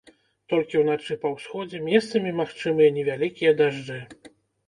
Толькі ўначы па ўсходзе месцамі магчымыя невялікія дажджы.